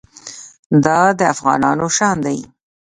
دا د افغانانو شان دی.